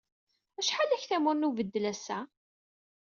Acḥal aktamur n ubeddel ass-a?